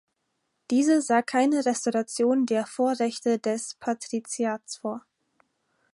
Diese sah keine Restauration der Vorrechte des Patriziats vor.